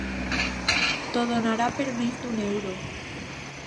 T'ho donarà per menys d'un euro.